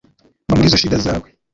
va muri zo shida zawe